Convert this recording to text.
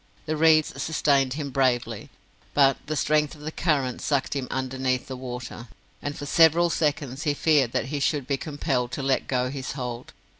The reeds sustained him bravely, but the strength of the current sucked him underneath the water, and for several seconds he feared that he should be compelled to let go his hold.